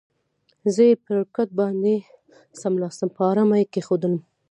زه یې پر کټ باندې څملاستم، په آرامه یې کېښودلم.